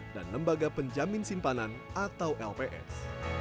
dan lembaga penjamin simpanan atau lps